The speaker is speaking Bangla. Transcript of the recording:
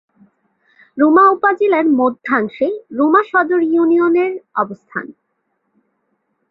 রুমা উপজেলার মধ্যাংশে রুমা সদর ইউনিয়নের অবস্থান।